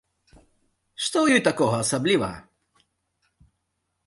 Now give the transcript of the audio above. Што ў ёй такога асаблівага?